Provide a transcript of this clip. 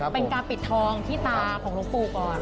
เป็นการปิดทองที่ตาของหลวงปู่ก่อน